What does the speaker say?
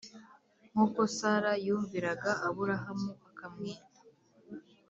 nkuko Sara yumviraga Aburahamu akamwita